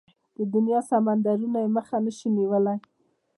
د دنيا سمندرونه يې مخه نشي نيولای.